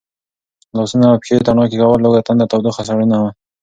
لاسونه او پښې تڼاکې کول، لوږه تنده، تودوخه، سړوښه،